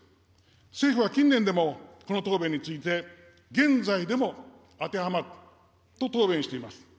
政府は近年でも、この答弁について、現在でも当てはまると答弁しています。